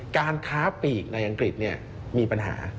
การค้าปีกในอังกฤษมีปัญหา